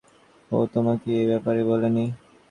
ও তোমাকে এ ব্যাপারে বলেনি?